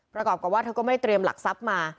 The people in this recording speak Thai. ประกอบกับว่าเธอก็ไม่ได้เตรียมหลักทรัพย์มา